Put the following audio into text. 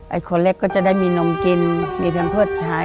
ไอ้คนเล็กก็จะได้มีนมกินมีเทียมเพิศใช้